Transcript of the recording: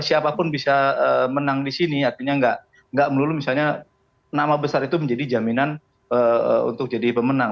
siapapun bisa menang di sini artinya nggak melulu misalnya nama besar itu menjadi jaminan untuk jadi pemenang